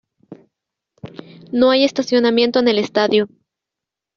No hay estacionamiento en el estadio.